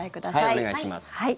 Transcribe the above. はい、お願いします。